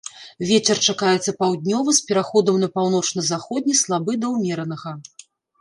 Вецер чакаецца паўднёвы з пераходам на паўночна-заходні слабы да ўмеранага.